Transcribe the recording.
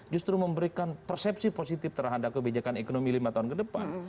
justru memberikan persepsi positif terhadap kebijakan ekonomi lima tahun ke depan